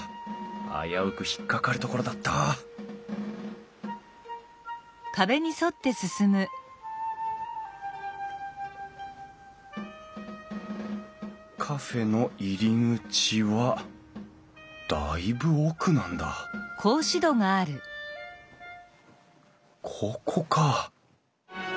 危うく引っ掛かるところだったカフェの入り口はだいぶ奥なんだここか！